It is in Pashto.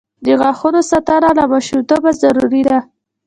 د غاښونو ساتنه له ماشومتوبه ضروري ده.